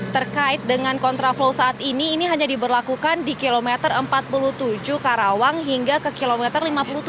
terkait dengan kontraflow saat ini ini hanya diberlakukan di kilometer empat puluh tujuh karawang hingga ke kilometer lima puluh tujuh